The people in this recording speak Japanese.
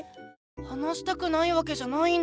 話したくないわけじゃないんだ！